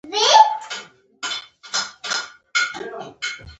د افریقا هوا له ناروغیو له امله وژونکې وه.